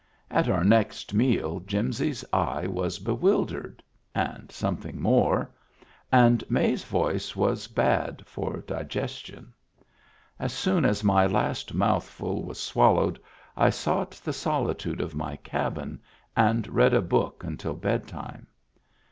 At our next meal Jim sy 's eye was bewildered — and something more — and May's voice was bad for digestion. As soon as my last mouthful was swallowed I sought the solitude of my cabin and read a book until bed time.